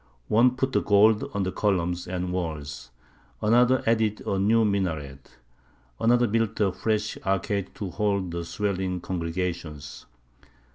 One put the gold on the columns and walls; another added a new minaret; another built a fresh arcade to hold the swelling congregations.